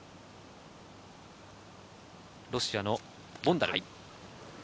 ロシアのボンダル。